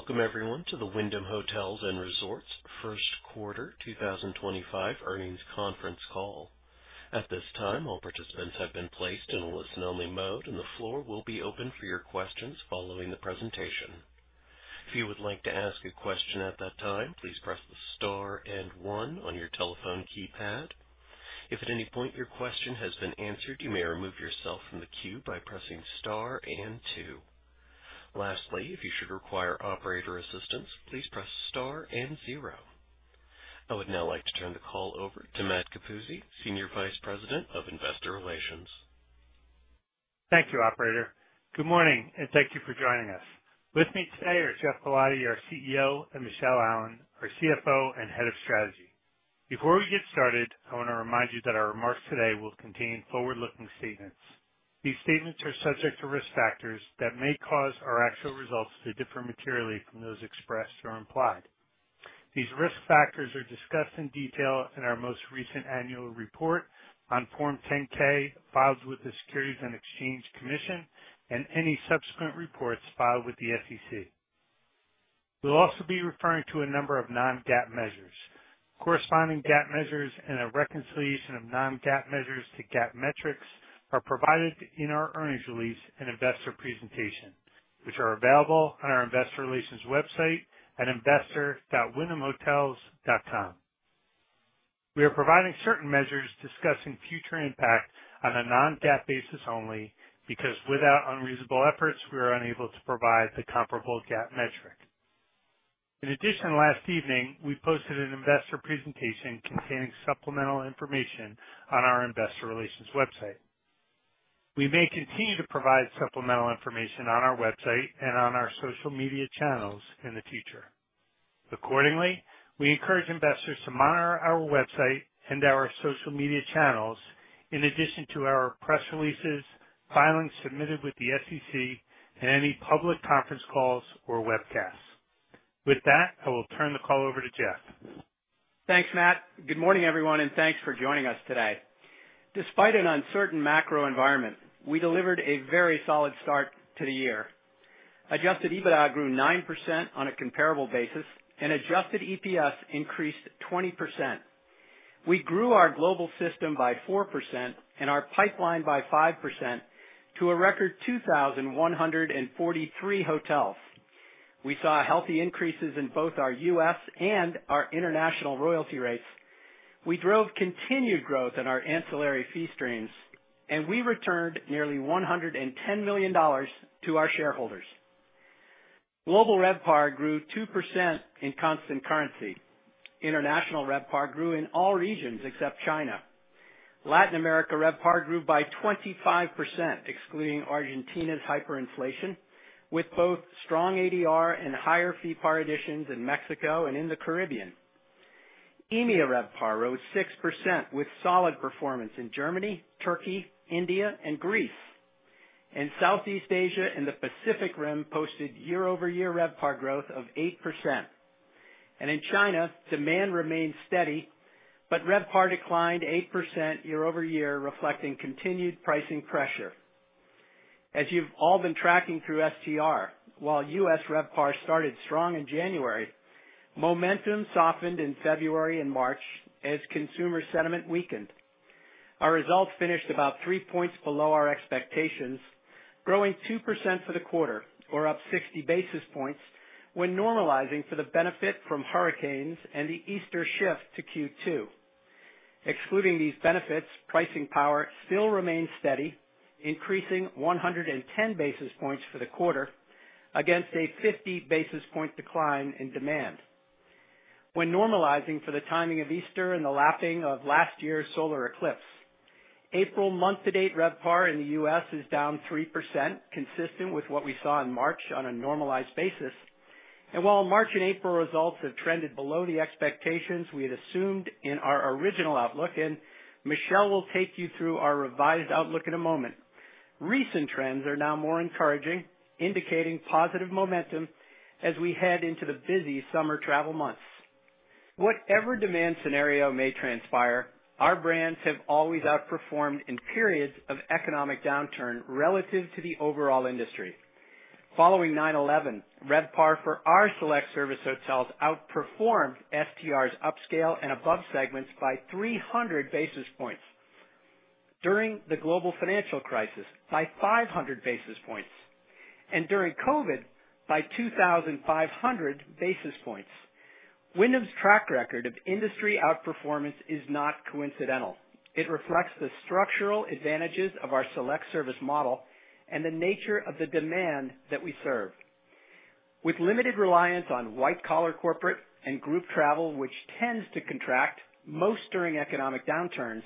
Welcome, everyone, to the Wyndham Hotels & Resorts First Quarter 2025 Earnings Conference Call. At this time, all participants have been placed in a listen-only mode, and the floor will be open for your questions following the presentation. If you would like to ask a question at that time, please press the star and one on your telephone keypad. If at any point your question has been answered, you may remove yourself from the queue by pressing star and two. Lastly, if you should require operator assistance, please press star and zero. I would now like to turn the call over to Matt Capuzzi, Senior Vice President of Investor Relations. Thank you, Operator. Good morning, and thank you for joining us. With me today are Geoff Ballotti, our CEO, and Michele Allen, our CFO and head of strategy. Before we get started, I want to remind you that our remarks today will contain forward-looking statements. These statements are subject to risk factors that may cause our actual results to differ materially from those expressed or implied. These risk factors are discussed in detail in our most recent annual report on Form 10-K filed with the Securities and Exchange Commission and any subsequent reports filed with the SEC. We'll also be referring to a number of non-GAAP measures. Corresponding GAAP measures and a reconciliation of non-GAAP measures to GAAP metrics are provided in our earnings release and investor presentation, which are available on our investor relations website at investor.wyndhamhotels.com. We are providing certain measures discussing future impact on a non-GAAP basis only because without unreasonable efforts, we are unable to provide the comparable GAAP metric. In addition, last evening, we posted an investor presentation containing supplemental information on our investor relations website. We may continue to provide supplemental information on our website and on our social media channels in the future. Accordingly, we encourage investors to monitor our website and our social media channels in addition to our press releases, filings submitted with the SEC, and any public conference calls or webcasts. With that, I will turn the call over to Geoff. Thanks, Matt. Good morning, everyone, and thanks for joining us today. Despite an uncertain macro environment, we delivered a very solid start to the year. Adjusted EBITDA grew 9% on a comparable basis, and adjusted EPS increased 20%. We grew our global system by 4% and our pipeline by 5% to a record 2,143 hotels. We saw healthy increases in both our U.S. and our international royalty rates. We drove continued growth in our ancillary fee streams, and we returned nearly $110 million to our shareholders. Global RevPAR grew 2% in constant currency. International RevPAR grew in all regions except China. Latin America RevPAR grew by 25%, excluding Argentina's hyperinflation, with both strong ADR and higher fee PAR additions in Mexico and in the Caribbean. EMEA RevPAR rose 6% with solid performance in Germany, Turkey, India, and Greece. In Southeast Asia and the Pacific Rim, posted year-over-year RevPAR growth of 8%. In China, demand remained steady, but RevPAR declined 8% year-over-year, reflecting continued pricing pressure. As you have all been tracking through STR, while U.S. RevPAR started strong in January, momentum softened in February and March as consumer sentiment weakened. Our results finished about three points below our expectations, growing 2% for the quarter, or up 60 basis points, when normalizing for the benefit from hurricanes and the Easter shift to Q2. Excluding these benefits, pricing power still remained steady, increasing 110 basis points for the quarter against a 50 basis point decline in demand. When normalizing for the timing of Easter and the lapping of last year's solar eclipse, April month-to-date RevPAR in the U.S. is down 3%, consistent with what we saw in March on a normalized basis. While March and April results have trended below the expectations we had assumed in our original outlook, and Michele will take you through our revised outlook in a moment, recent trends are now more encouraging, indicating positive momentum as we head into the busy summer travel months. Whatever demand scenario may transpire, our brands have always outperformed in periods of economic downturn relative to the overall industry. Following 9/11, RevPAR for our select service hotels outperformed STR's upscale and above segments by 300 basis points. During the global financial crisis, by 500 basis points. During COVID, by 2,500 basis points. Wyndham's track record of industry outperformance is not coincidental. It reflects the structural advantages of our select service model and the nature of the demand that we serve. With limited reliance on white-collar corporate and group travel, which tends to contract most during economic downturns,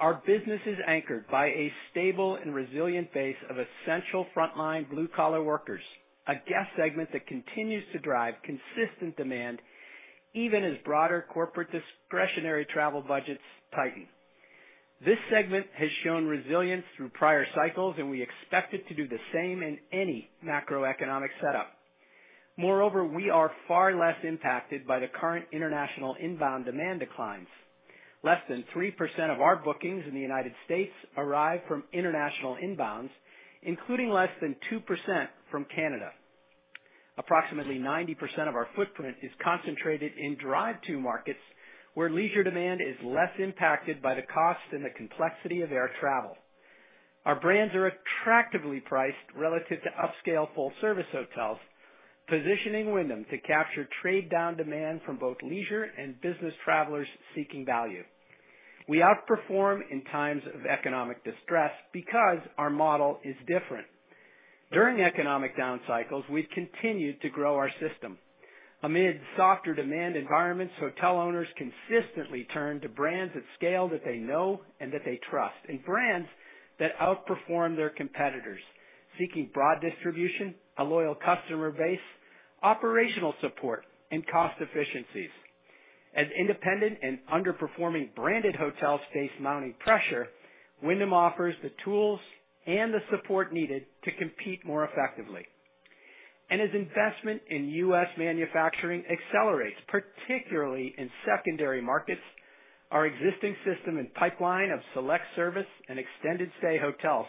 our business is anchored by a stable and resilient base of essential frontline blue-collar workers, a guest segment that continues to drive consistent demand even as broader corporate discretionary travel budgets tighten. This segment has shown resilience through prior cycles, and we expect it to do the same in any macroeconomic setup. Moreover, we are far less impacted by the current international inbound demand declines. Less than 3% of our bookings in the United States arrive from international inbounds, including less than 2% from Canada. Approximately 90% of our footprint is concentrated in drive-thru markets, where leisure demand is less impacted by the cost and the complexity of air travel. Our brands are attractively priced relative to upscale full-service hotels, positioning Wyndham to capture trade-down demand from both leisure and business travelers seeking value. We outperform in times of economic distress because our model is different. During economic down cycles, we've continued to grow our system. Amid softer demand environments, hotel owners consistently turn to brands that scale that they know and that they trust, and brands that outperform their competitors, seeking broad distribution, a loyal customer base, operational support, and cost efficiencies. As independent and underperforming branded hotels face mounting pressure, Wyndham offers the tools and the support needed to compete more effectively. As investment in U.S. manufacturing accelerates, particularly in secondary markets, our existing system and pipeline of select service and extended-stay hotels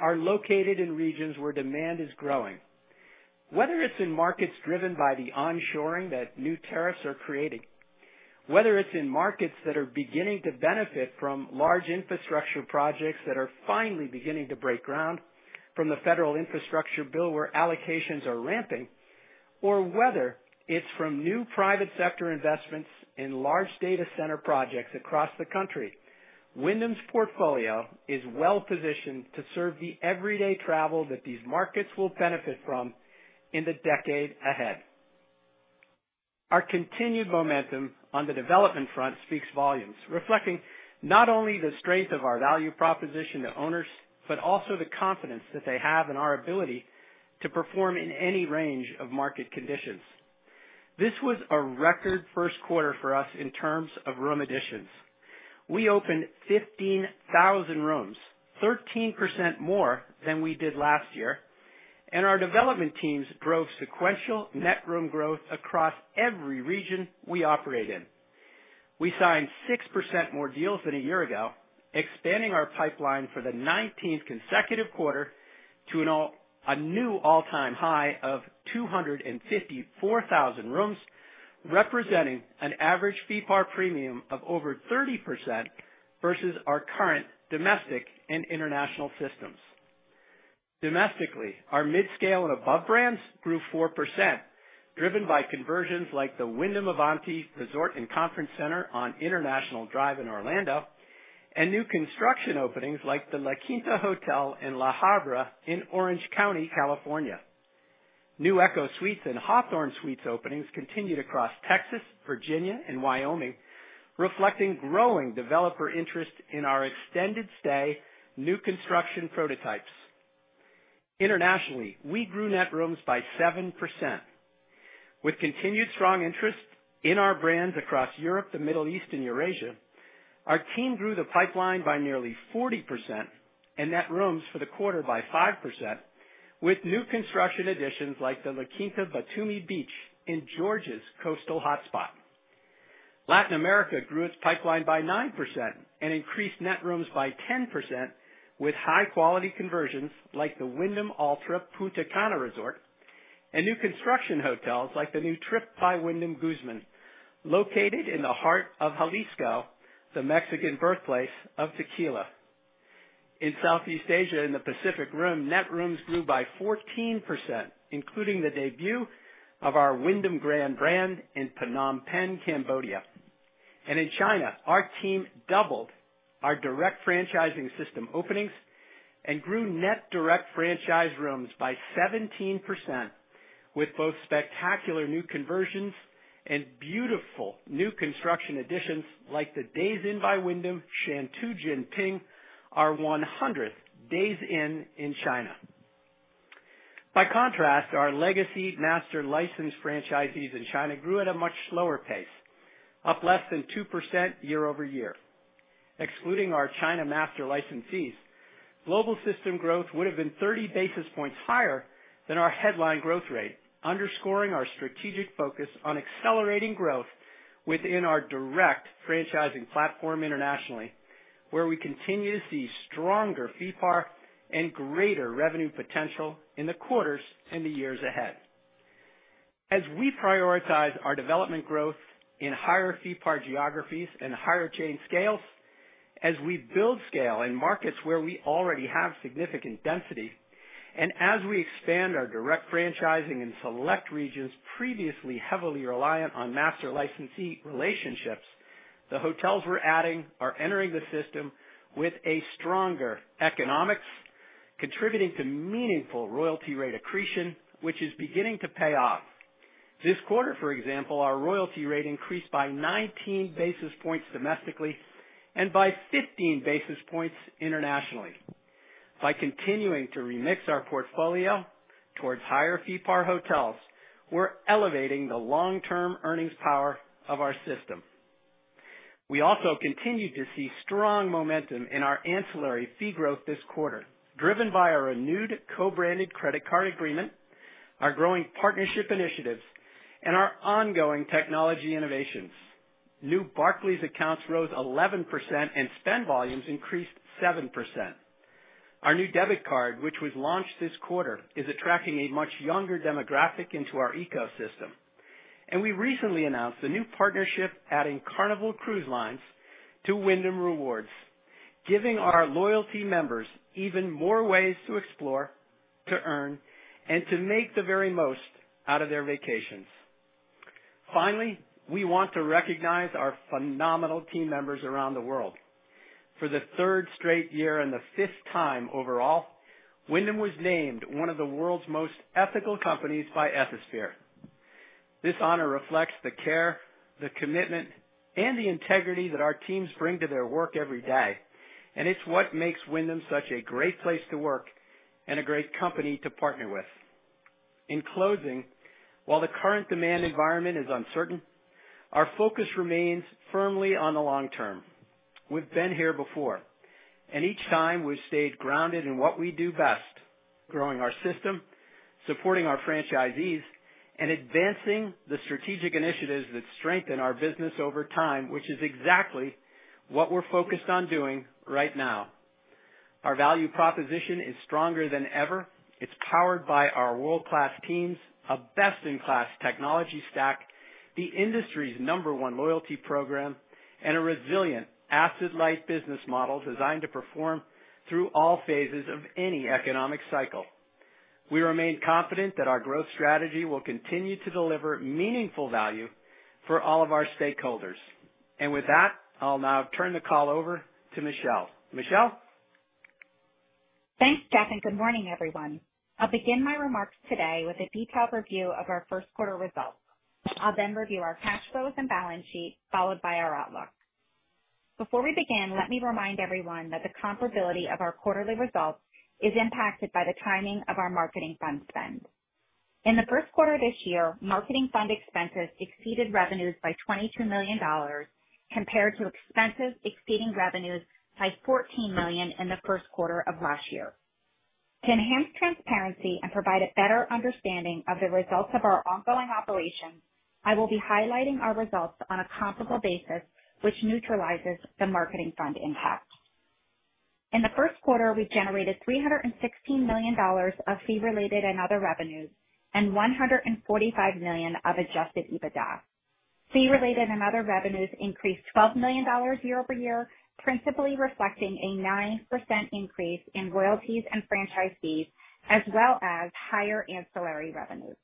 are located in regions where demand is growing. Whether it's in markets driven by the onshoring that new tariffs are creating, whether it's in markets that are beginning to benefit from large infrastructure projects that are finally beginning to break ground from the federal infrastructure bill where allocations are ramping, or whether it's from new private sector investments in large data center projects across the country, Wyndham's portfolio is well-positioned to serve the everyday travel that these markets will benefit from in the decade ahead. Our continued momentum on the development front speaks volumes, reflecting not only the strength of our value proposition to owners, but also the confidence that they have in our ability to perform in any range of market conditions. This was a record first quarter for us in terms of room additions. We opened 15,000 rooms, 13% more than we did last year, and our development teams drove sequential net room growth across every region we operate in. We signed 6% more deals than a year ago, expanding our pipeline for the 19th consecutive quarter to a new all-time high of 254,000 rooms, representing an average fee PAR premium of over 30% versus our current domestic and international systems. Domestically, our mid-scale and above brands grew 4%, driven by conversions like the Wyndham Avanti Resort and Conference Center on International Drive in Orlando and new construction openings like the La Quinta Hotel in La Habra in Orange County, California. New Echo Suites and Hawthorne Suites openings continued across Texas, Virginia, and Wyoming, reflecting growing developer interest in our extended-stay new construction prototypes. Internationally, we grew net rooms by 7%. With continued strong interest in our brands across Europe, the Middle East, and Eurasia, our team grew the pipeline by nearly 40% and net rooms for the quarter by 5% with new construction additions like the La Quinta Batumi Beach in Georgia's coastal hotspot. Latin America grew its pipeline by 9% and increased net rooms by 10% with high-quality conversions like the Wyndham Altra Punta Cana Resort and new construction hotels like the new Trip by Wyndham Guzman, located in the heart of Jalisco, the Mexican birthplace of tequila. In Southeast Asia and the Pacific Rim, net rooms grew by 14%, including the debut of our Wyndham Grand brand in Phnom Penh, Cambodia. In China, our team doubled our direct franchising system openings and grew net direct franchise rooms by 17% with both spectacular new conversions and beautiful new construction additions like the Days Inn by Wyndham Shantou Jinping, our 100th Days Inn in China. By contrast, our legacy master license franchisees in China grew at a much slower pace, up less than 2% year-over-year. Excluding our China master licensees, global system growth would have been 30 basis points higher than our headline growth rate, underscoring our strategic focus on accelerating growth within our direct franchising platform internationally, where we continue to see stronger fee PAR and greater revenue potential in the quarters and the years ahead. As we prioritize our development growth in higher fee PAR geographies and higher chain scales, as we build scale in markets where we already have significant density, and as we expand our direct franchising in select regions previously heavily reliant on master licensee relationships, the hotels we're adding are entering the system with stronger economics, contributing to meaningful royalty rate accretion, which is beginning to pay off. This quarter, for example, our royalty rate increased by 19 basis points domestically and by 15 basis points internationally. By continuing to remix our portfolio towards higher fee PAR hotels, we're elevating the long-term earnings power of our system. We also continue to see strong momentum in our ancillary fee growth this quarter, driven by our renewed co-branded credit card agreement, our growing partnership initiatives, and our ongoing technology innovations. New Barclays accounts rose 11% and spend volumes increased 7%. Our new debit card, which was launched this quarter, is attracting a much younger demographic into our ecosystem. We recently announced a new partnership adding Carnival Cruise Lines to Wyndham Rewards, giving our loyalty members even more ways to explore, to earn, and to make the very most out of their vacations. Finally, we want to recognize our phenomenal team members around the world. For the third straight year and the fifth time overall, Wyndham was named one of the world's most ethical companies by Ethisphere. This honor reflects the care, the commitment, and the integrity that our teams bring to their work every day, and it is what makes Wyndham such a great place to work and a great company to partner with. In closing, while the current demand environment is uncertain, our focus remains firmly on the long term. We've been here before, and each time we've stayed grounded in what we do best: growing our system, supporting our franchisees, and advancing the strategic initiatives that strengthen our business over time, which is exactly what we're focused on doing right now. Our value proposition is stronger than ever. It's powered by our world-class teams, a best-in-class technology stack, the industry's number one loyalty program, and a resilient asset-light business model designed to perform through all phases of any economic cycle. We remain confident that our growth strategy will continue to deliver meaningful value for all of our stakeholders. With that, I'll now turn the call over to Michele. Michele? Thanks, Geoff, and good morning, everyone. I'll begin my remarks today with a detailed review of our first quarter results. I'll then review our cash flows and balance sheet, followed by our outlook. Before we begin, let me remind everyone that the comparability of our quarterly results is impacted by the timing of our marketing fund spend. In the first quarter of this year, marketing fund expenses exceeded revenues by $22 million compared to expenses exceeding revenues by $14 million in the first quarter of last year. To enhance transparency and provide a better understanding of the results of our ongoing operations, I will be highlighting our results on a comparable basis, which neutralizes the marketing fund impact. In the first quarter, we generated $316 million of fee-related and other revenues and $145 million of adjusted EBITDA. Fee-related and other revenues increased $12 million year-over-year, principally reflecting a 9% increase in royalties and franchise fees, as well as higher ancillary revenues.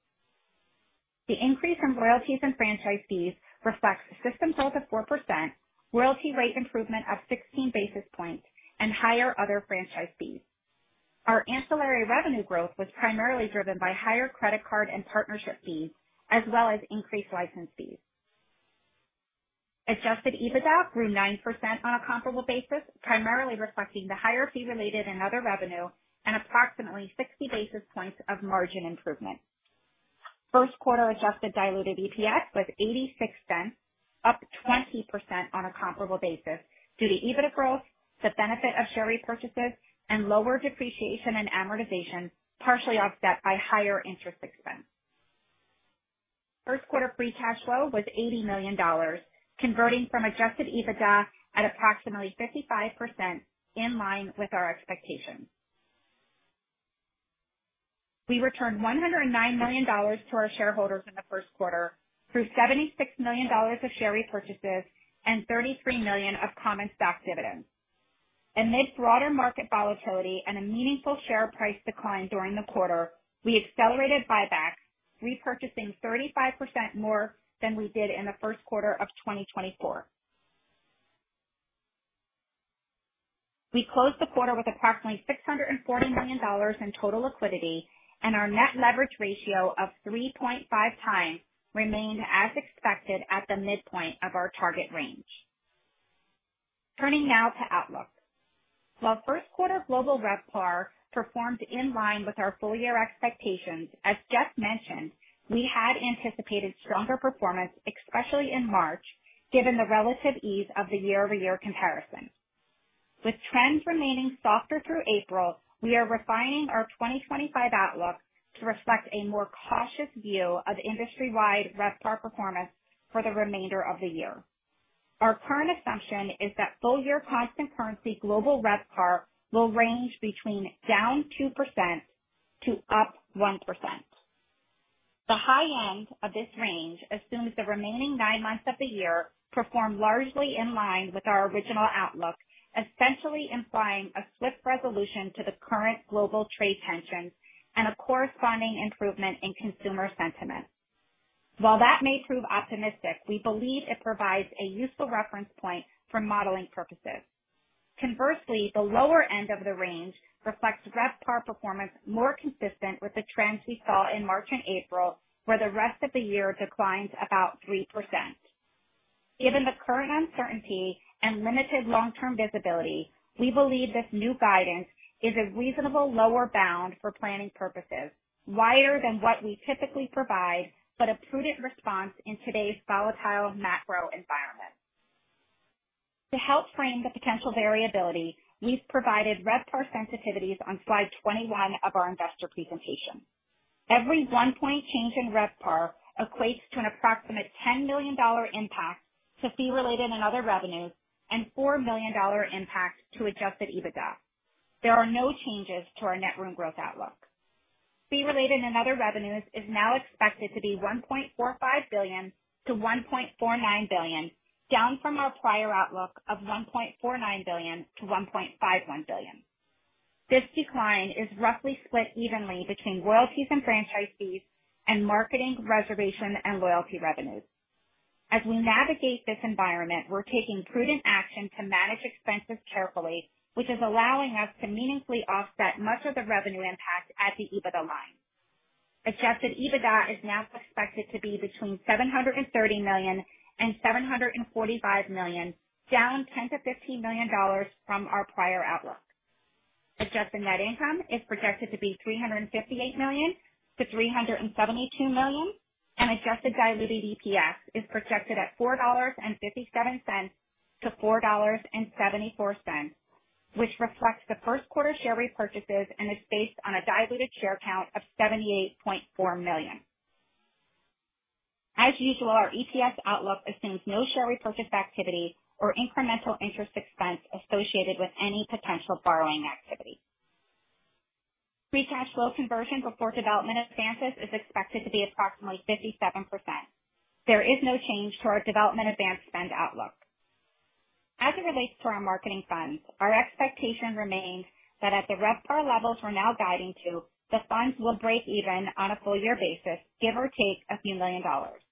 The increase in royalties and franchise fees reflects system growth of 4%, royalty rate improvement of 16 basis points, and higher other franchise fees. Our ancillary revenue growth was primarily driven by higher credit card and partnership fees, as well as increased license fees. Adjusted EBITDA grew 9% on a comparable basis, primarily reflecting the higher fee-related and other revenue and approximately 60 basis points of margin improvement. First quarter adjusted diluted EPS was $0.86, up 20% on a comparable basis due to EBITDA growth, the benefit of share repurchases, and lower depreciation and amortization, partially offset by higher interest expense. First quarter free cash flow was $80 million, converting from adjusted EBITDA at approximately 55%, in line with our expectations. We returned $109 million to our shareholders in the first quarter through $76 million of share repurchases and $33 million of common stock dividends. Amid broader market volatility and a meaningful share price decline during the quarter, we accelerated buybacks, repurchasing 35% more than we did in the first quarter of 2024. We closed the quarter with approximately $640 million in total liquidity, and our net leverage ratio of 3.5 times remained as expected at the midpoint of our target range. Turning now to Outlook. While first quarter global RevPAR performed in line with our full-year expectations, as Geoff mentioned, we had anticipated stronger performance, especially in March, given the relative ease of the year-over-year comparison. With trends remaining softer through April, we are refining our 2025 outlook to reflect a more cautious view of industry-wide RevPAR performance for the remainder of the year. Our current assumption is that full-year constant currency global RevPAR will range between down 2% to up 1%. The high end of this range assumes the remaining nine months of the year perform largely in line with our original outlook, essentially implying a swift resolution to the current global trade tensions and a corresponding improvement in consumer sentiment. While that may prove optimistic, we believe it provides a useful reference point for modeling purposes. Conversely, the lower end of the range reflects RevPAR performance more consistent with the trends we saw in March and April, where the rest of the year declined about 3%. Given the current uncertainty and limited long-term visibility, we believe this new guidance is a reasonable lower bound for planning purposes, wider than what we typically provide, but a prudent response in today's volatile macro environment. To help frame the potential variability, we've provided RevPAR sensitivities on slide 21 of our investor presentation. Every one-point change in RevPAR equates to an approximate $10 million impact to fee-related and other revenues and $4 million impact to adjusted EBITDA. There are no changes to our net room growth outlook. Fee-related and other revenues is now expected to be $1.45 billion-$1.49 billion, down from our prior outlook of $1.49 billion-$1.51 billion. This decline is roughly split evenly between royalties and franchise fees and marketing reservation and loyalty revenues. As we navigate this environment, we're taking prudent action to manage expenses carefully, which is allowing us to meaningfully offset much of the revenue impact at the EBITDA line. Adjusted EBITDA is now expected to be between $730 million and $745 million, down $10 million-$15 million from our prior outlook. Adjusted net income is projected to be $358 million-$372 million, and adjusted diluted EPS is projected at $4.57-$4.74, which reflects the first quarter share repurchases and is based on a diluted share count of 78.4 million. As usual, our EPS outlook assumes no share repurchase activity or incremental interest expense associated with any potential borrowing activity. Free cash flow conversion before development advances is expected to be approximately 57%. There is no change to our development advance spend outlook. As it relates to our marketing funds, our expectation remains that at the RevPAR levels we're now guiding to, the funds will break even on a full-year basis, give or take a few million dollars.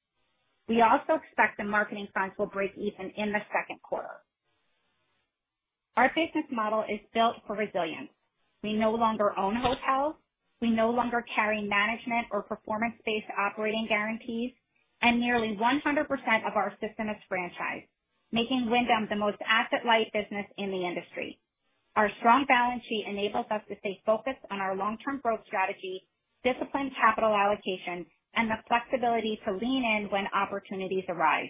We also expect the marketing funds will break even in the second quarter. Our business model is built for resilience. We no longer own hotels. We no longer carry management or performance-based operating guarantees, and nearly 100% of our system is franchised, making Wyndham the most asset-like business in the industry. Our strong balance sheet enables us to stay focused on our long-term growth strategy, disciplined capital allocation, and the flexibility to lean in when opportunities arise.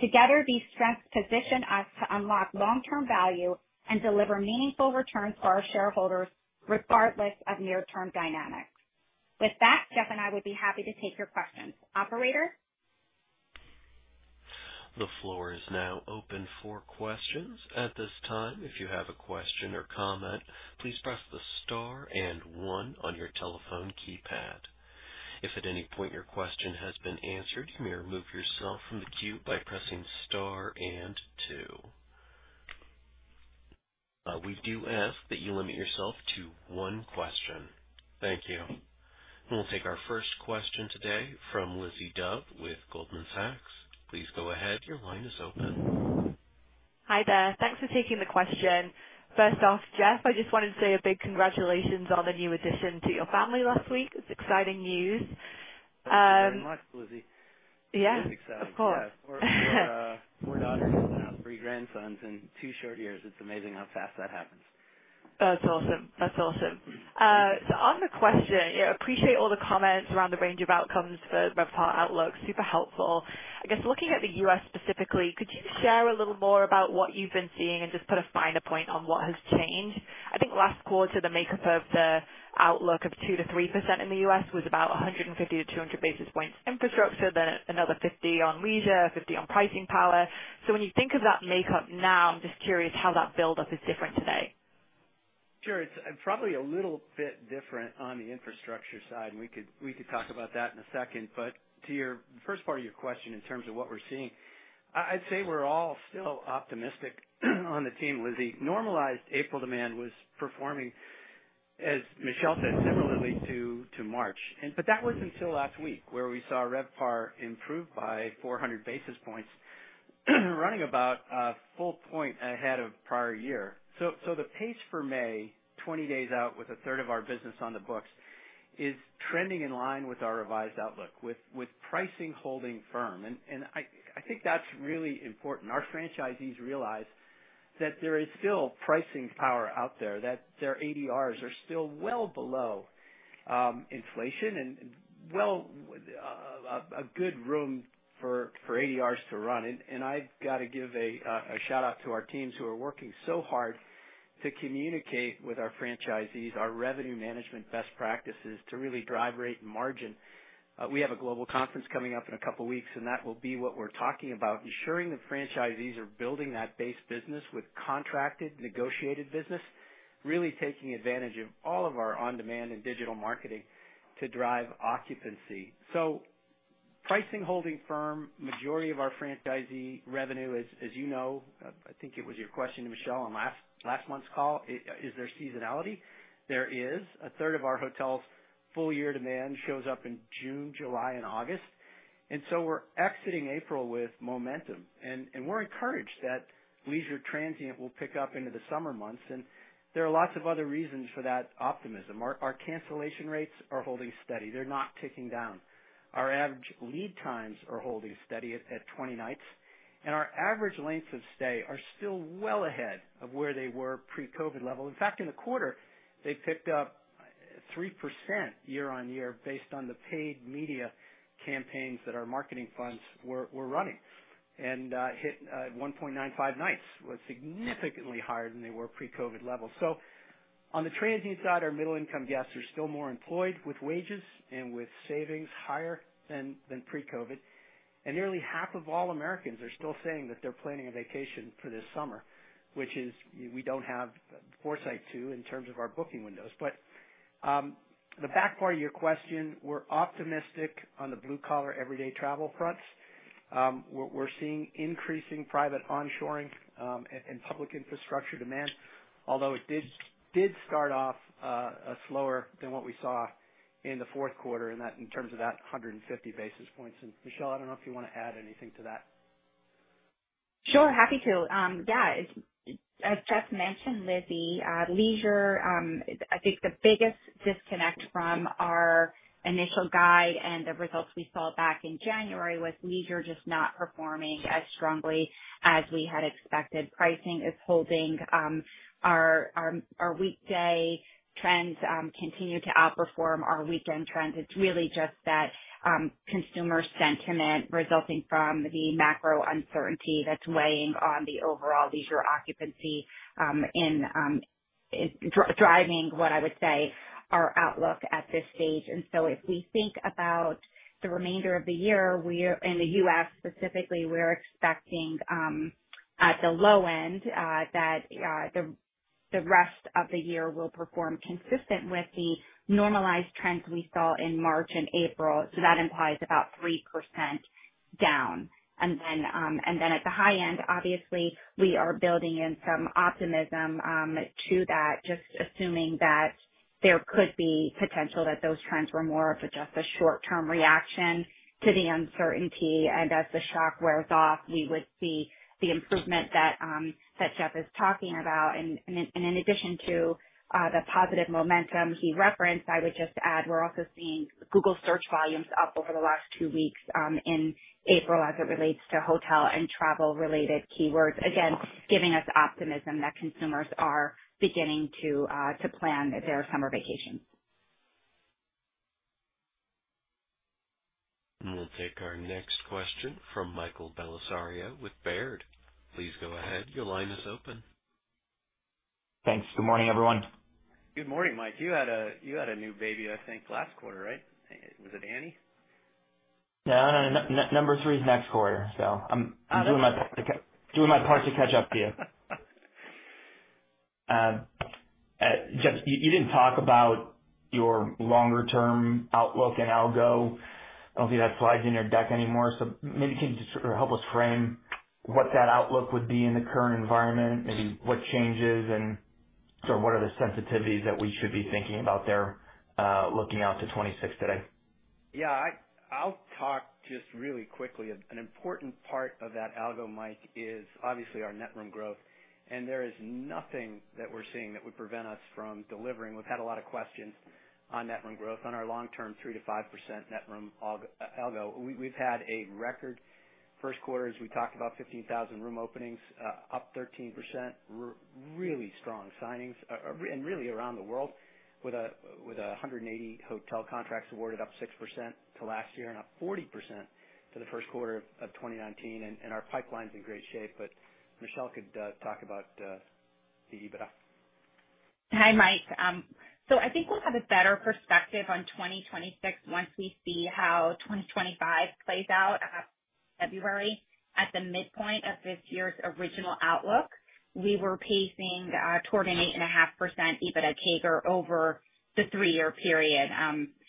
Together, these strengths position us to unlock long-term value and deliver meaningful returns for our shareholders, regardless of near-term dynamics. With that, Geoff and I would be happy to take your questions. Operator? The floor is now open for questions. At this time, if you have a question or comment, please press the star and one on your telephone keypad. If at any point your question has been answered, you may remove yourself from the queue by pressing star and two. We do ask that you limit yourself to one question. Thank you. We'll take our first question today from Lizzie Dove with Goldman Sachs. Please go ahead. Your line is open. Hi there. Thanks for taking the question. First off, Geoff, I just wanted to say a big congratulations on the new addition to your family last week. It's exciting news. Thank you so much, Lizzie. Yeah, of course. Yeah, four daughters and now three grandsons in two short years. It's amazing how fast that happens. That's awesome. That's awesome. On the question, yeah, appreciate all the comments around the range of outcomes for RevPAR outlook. Super helpful. I guess looking at the U.S. specifically, could you share a little more about what you've been seeing and just put a finer point on what has changed? I think last quarter, the makeup of the outlook of 2-3% in the U.S. was about 150-200 basis points infrastructure, then another 50 on leisure, 50 on pricing power. When you think of that makeup now, I'm just curious how that buildup is different today. Sure. It's probably a little bit different on the infrastructure side. We could talk about that in a second. To the first part of your question in terms of what we're seeing, I'd say we're all still optimistic on the team, Lizzie. Normalized April demand was performing, as Michele said, similarly to March. That was until last week, where we saw RevPAR improve by 400 basis points, running about a full point ahead of prior year. The pace for May, 20 days out with a third of our business on the books, is trending in line with our revised outlook, with pricing holding firm. I think that's really important. Our franchisees realize that there is still pricing power out there, that their ADRs are still well below inflation and well a good room for ADRs to run. I've got to give a shout-out to our teams who are working so hard to communicate with our franchisees, our revenue management best practices to really drive rate and margin. We have a global conference coming up in a couple of weeks, and that will be what we're talking about, ensuring that franchisees are building that base business with contracted, negotiated business, really taking advantage of all of our on-demand and digital marketing to drive occupancy. Pricing is holding firm, majority of our franchisee revenue, as you know, I think it was your question to Michele on last month's call, is there seasonality? There is. A third of our hotels' full-year demand shows up in June, July, and August. We are exiting April with momentum. We are encouraged that leisure transient will pick up into the summer months. There are lots of other reasons for that optimism. Our cancellation rates are holding steady. They are not ticking down. Our average lead times are holding steady at 20 nights. Our average lengths of stay are still well ahead of where they were pre-COVID level. In fact, in the quarter, they picked up 3% year-on-year based on the paid media campaigns that our marketing funds were running and hit 1.95 nights, significantly higher than they were pre-COVID levels. On the transient side, our middle-income guests are still more employed with wages and with savings higher than pre-COVID. Nearly half of all Americans are still saying that they're planning a vacation for this summer, which we do not have foresight to in terms of our booking windows. The back part of your question, we are optimistic on the blue-collar everyday travel fronts. We are seeing increasing private onshoring and public infrastructure demand, although it did start off slower than what we saw in the fourth quarter in terms of that 150 basis points. Michele, I do not know if you want to add anything to that. Sure. Happy to. Yeah. As Geoff mentioned, Lizzie, leisure, I think the biggest disconnect from our initial guide and the results we saw back in January was leisure just not performing as strongly as we had expected. Pricing is holding. Our weekday trends continue to outperform our weekend trends. It's really just that consumer sentiment resulting from the macro uncertainty that's weighing on the overall leisure occupancy and driving what I would say our outlook at this stage. If we think about the remainder of the year, in the U.S. specifically, we're expecting at the low end that the rest of the year will perform consistent with the normalized trends we saw in March and April. That implies about 3% down. At the high end, obviously, we are building in some optimism to that, just assuming that there could be potential that those trends were more of just a short-term reaction to the uncertainty. As the shock wears off, we would see the improvement that Geoff is talking about. In addition to the positive momentum he referenced, I would just add we're also seeing Google search volumes up over the last two weeks in April as it relates to hotel and travel-related keywords, again, giving us optimism that consumers are beginning to plan their summer vacations. We'll take our next question from Michael Bellisario with Baird. Please go ahead. Your line is open. Thanks. Good morning, everyone. Good morning, Mike. You had a new baby, I think, last quarter, right? Was it Annie? No. No. Number three is next quarter. So I'm doing my part to catch up to you. Geoff, you didn't talk about your longer-term outlook and algo. I don't think that slides in your deck anymore. Maybe can you just sort of help us frame what that outlook would be in the current environment, maybe what changes, and sort of what are the sensitivities that we should be thinking about there looking out to 2026 today? Yeah. I'll talk just really quickly. An important part of that algo, Mike, is obviously our net room growth. There is nothing that we're seeing that would prevent us from delivering. We've had a lot of questions on net room growth, on our long-term 3-5% net room algo. We've had a record first quarter as we talked about 15,000 room openings, up 13%, really strong signings really around the world with 180 hotel contracts awarded, up 6% to last year and up 40% to the first quarter of 2019. Our pipeline's in great shape. Michele could talk about the EBITDA. Hi, Mike. I think we'll have a better perspective on 2026 once we see how 2025 plays out. February at the midpoint of this year's original outlook, we were pacing toward an 8.5% EBITDA CAGR over the three-year period.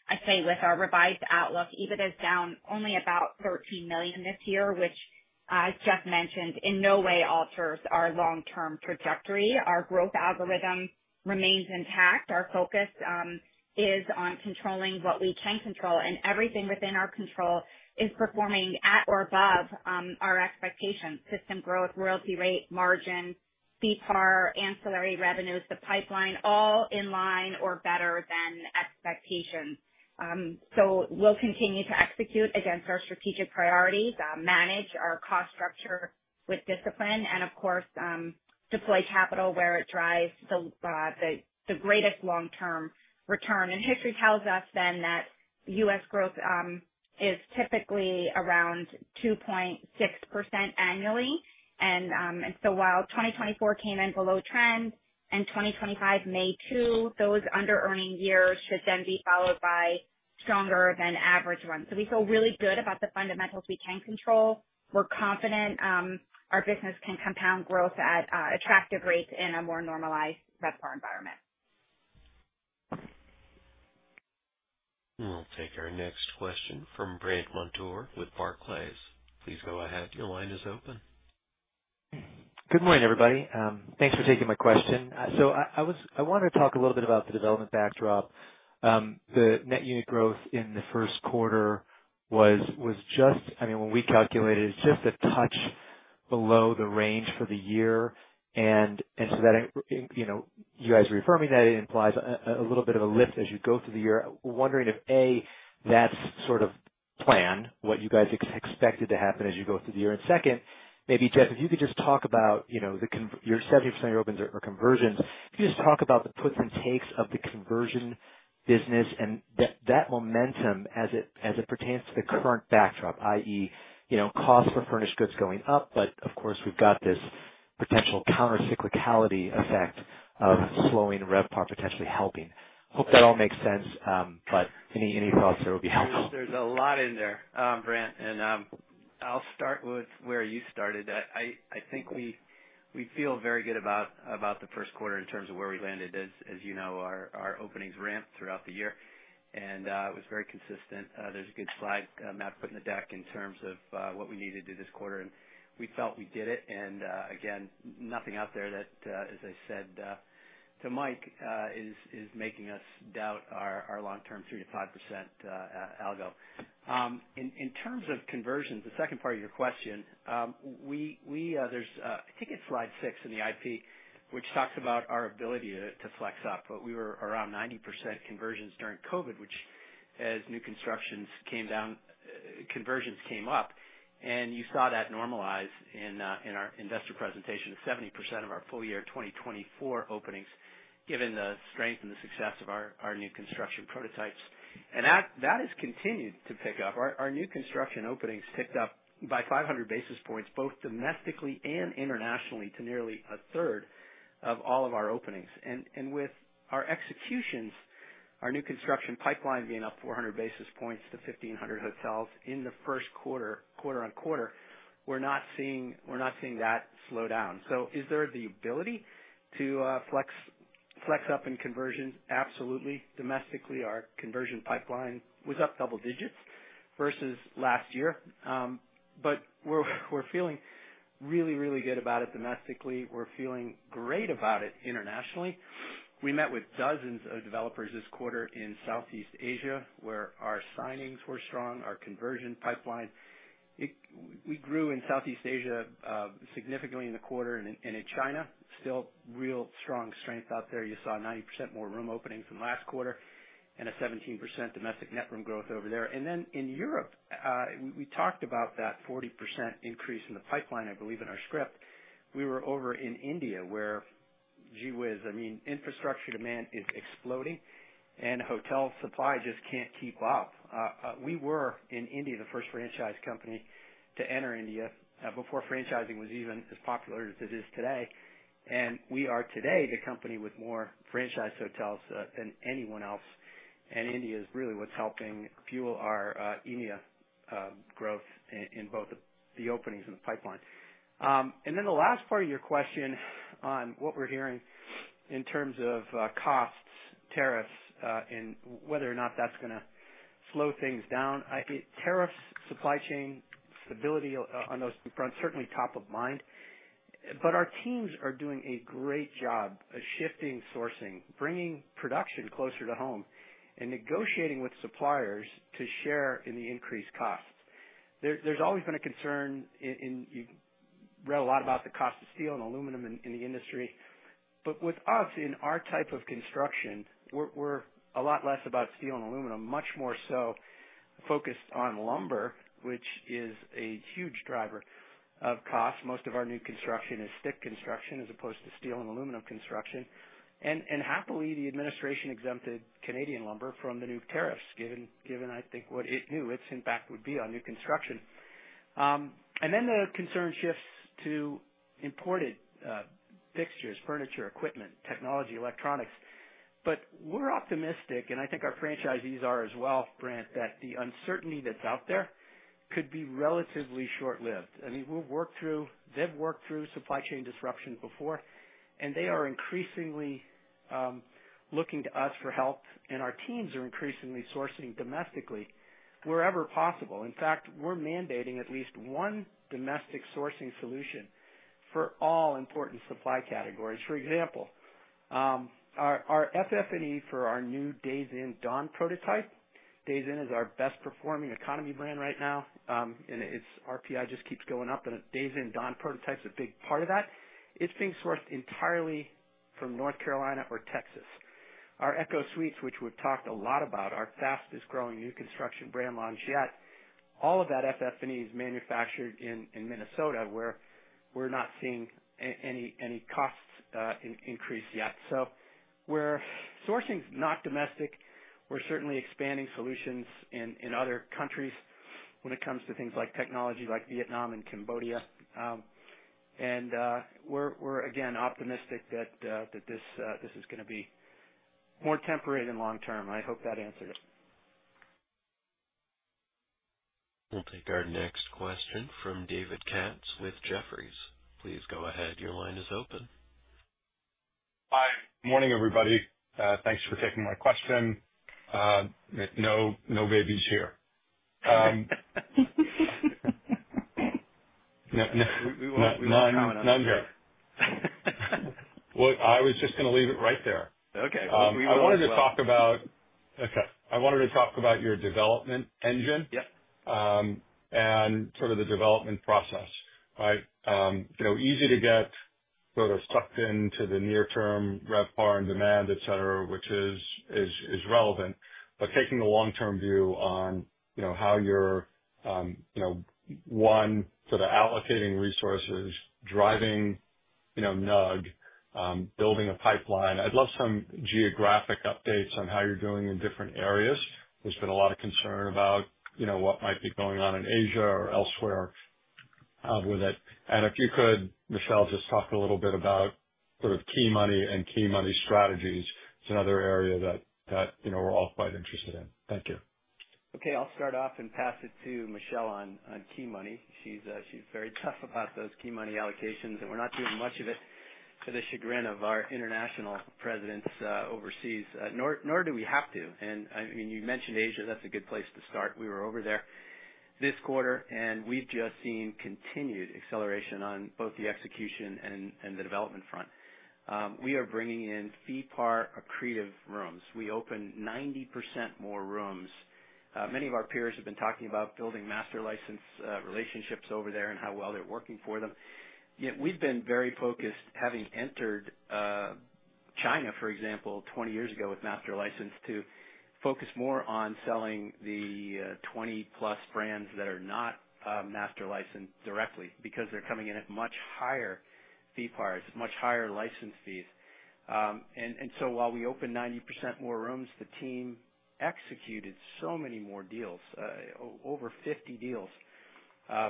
I'd say with our revised outlook, EBITDA is down only about $13 million this year, which, as Geoff mentioned, in no way alters our long-term trajectory. Our growth algorithm remains intact. Our focus is on controlling what we can control. Everything within our control is performing at or above our expectations: system growth, royalty rate, margin, fee PAR, ancillary revenues, the pipeline, all in line or better than expectations. We'll continue to execute against our strategic priorities, manage our cost structure with discipline, and, of course, deploy capital where it drives the greatest long-term return. History tells us then that U.S. growth is typically around 2.6% annually. While 2024 came in below trend and 2025 may too, those under-earning years should then be followed by stronger-than-average ones. We feel really good about the fundamentals we can control. We're confident our business can compound growth at attractive rates in a more normalized RevPAR environment. We'll take our next question from Brandt Montour with Barclays. Please go ahead. Your line is open. Good morning, everybody. Thanks for taking my question. I wanted to talk a little bit about the development backdrop. The net unit growth in the first quarter was just, I mean, when we calculated, it's just a touch below the range for the year. You guys are affirming that it implies a little bit of a lift as you go through the year. Wondering if, A, that's sort of planned, what you guys expected to happen as you go through the year. And second, maybe, Geoff, if you could just talk about your 70% of your openings are conversions. If you just talk about the puts and takes of the conversion business and that momentum as it pertains to the current backdrop, i.e., cost for furnished goods going up, but of course, we've got this potential countercyclicality effect of slowing RevPAR, potentially helping. Hope that all makes sense. Any thoughts that would be helpful? There's a lot in there, Brandt. I will start with where you started. I think we feel very good about the first quarter in terms of where we landed. As you know, our openings ramped throughout the year. It was very consistent. There's a good slide Matt put in the deck in terms of what we needed to do this quarter. We felt we did it. Again, nothing out there that, as I said to Mike, is making us doubt our long-term 3-5% algo. In terms of conversions, the second part of your question, I think it's slide six in the IP, which talks about our ability to flex up. We were around 90% conversions during COVID, which as new constructions came down, conversions came up. You saw that normalize in our investor presentation of 70% of our full-year 2024 openings, given the strength and the success of our new construction prototypes. That has continued to pick up. Our new construction openings ticked up by 500 basis points, both domestically and internationally, to nearly a third of all of our openings. With our executions, our new construction pipeline being up 400 basis points to 1,500 hotels in the first quarter, quarter on quarter, we're not seeing that slow down. There is the ability to flex up in conversions. Absolutely. Domestically, our conversion pipeline was up double digits versus last year. We're feeling really, really good about it domestically. We're feeling great about it internationally. We met with dozens of developers this quarter in Southeast Asia, where our signings were strong, our conversion pipeline. We grew in Southeast Asia significantly in the quarter. In China, still real strong strength out there. You saw 90% more room openings than last quarter and a 17% domestic net room growth over there. In Europe, we talked about that 40% increase in the pipeline, I believe, in our script. We were over in India, where gee whiz, I mean, infrastructure demand is exploding, and hotel supply just can't keep up. We were in India, the first franchise company to enter India before franchising was even as popular as it is today. We are today the company with more franchise hotels than anyone else. India is really what's helping fuel our India growth in both the openings and the pipeline. The last part of your question on what we're hearing in terms of costs, tariffs, and whether or not that's going to slow things down. Tariffs, supply chain stability on those fronts, certainly top of mind. Our teams are doing a great job of shifting sourcing, bringing production closer to home, and negotiating with suppliers to share in the increased costs. There's always been a concern. You've read a lot about the cost of steel and aluminum in the industry. With us, in our type of construction, we're a lot less about steel and aluminum, much more so focused on lumber, which is a huge driver of cost. Most of our new construction is stick construction as opposed to steel and aluminum construction. Happily, the administration exempted Canadian lumber from the new tariffs, given, I think, what it knew its impact would be on new construction. The concern shifts to imported fixtures, furniture, equipment, technology, electronics. We're optimistic, and I think our franchisees are as well, Brandt, that the uncertainty that's out there could be relatively short-lived. I mean, we've worked through supply chain disruptions before. They are increasingly looking to us for help. Our teams are increasingly sourcing domestically wherever possible. In fact, we're mandating at least one domestic sourcing solution for all important supply categories. For example, our FF&E for our new Days Inn Dawn prototype. Days Inn is our best-performing economy brand right now. Its RPI just keeps going up. Days Inn Dawn prototype is a big part of that. It's being sourced entirely from North Carolina or Texas. Our Echo Suites, which we've talked a lot about, are our fastest-growing new construction brand launch yet. All of that FF&E is manufactured in Minnesota, where we're not seeing any costs increase yet. We're sourcing not just domestic. We're certainly expanding solutions in other countries when it comes to things like technology, like Vietnam and Cambodia. We're, again, optimistic that this is going to be more temporary than long-term. I hope that answered it. We'll take our next question from David Katz with Jefferies. Please go ahead. Your line is open. Hi. Good morning, everybody. Thanks for taking my question. No babies here. None here. I was just going to leave it right there. I wanted to talk about, okay, I wanted to talk about your development engine and sort of the development process, right? Easy to get sort of sucked into the near-term RevPAR and demand, etc., which is relevant. Taking a long-term view on how you're, one, sort of allocating resources, driving nug, building a pipeline. I'd love some geographic updates on how you're doing in different areas. There's been a lot of concern about what might be going on in Asia or elsewhere with it. If you could, Michele, just talk a little bit about sort of key money and key money strategies. It's another area that we're all quite interested in. Thank you. Okay. I'll start off and pass it to Michele on key money. She's very tough about those key money allocations. We're not doing much of it to the chagrin of our international presidents overseas, nor do we have to. I mean, you mentioned Asia. That's a good place to start. We were over there this quarter. We've just seen continued acceleration on both the execution and the development front. We are bringing in fee PAR accretive rooms. We open 90% more rooms. Many of our peers have been talking about building master license relationships over there and how well they're working for them. We've been very focused, having entered China, for example, 20 years ago with master license, to focus more on selling the 20-plus brands that are not master licensed directly because they're coming in at much higher fee PARs, much higher license fees. While we opened 90% more rooms, the team executed so many more deals, over 50 deals,